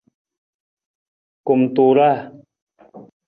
Kumtuuraa.